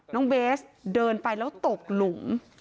เบสเดินไปแล้วตกหลุม